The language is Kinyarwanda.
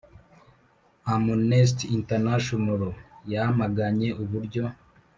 amnesty international yamaganye uburyo